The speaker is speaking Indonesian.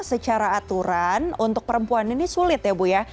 secara aturan untuk perempuan ini sulit ya bu ya